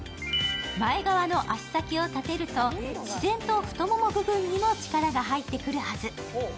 前側の足先を立てると、自然に太もも部分にも力が入ってくるはず。